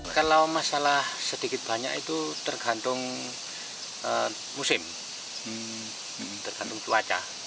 kalau masalah sedikit banyak itu tergantung musim tergantung cuaca